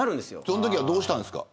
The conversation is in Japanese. そのときはどうしたんですか。